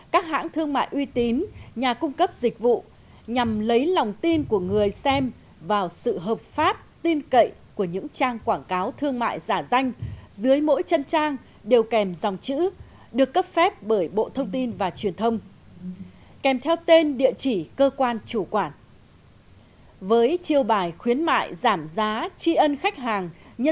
các hãng thương mại uy tín nhà cung cấp dịch vụ nhằm lấy lòng tin của người xem vào sự hợp pháp tin cậy của những trang quảng cáo thương mại giả danh dưới mỗi chân trang đều kèm dòng chữ được cấp phép bởi bộ thông tin và truyền thông kèm theo tên địa chỉ cơ quan chủ quản